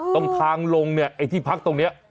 ต้องทางลงไอ้ที่พักตรงนี้